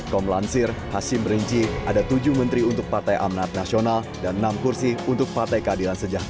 komlansir hashim rinci ada tujuh menteri untuk partai amnat nasional dan enam kursi untuk partai keadilan sejahtera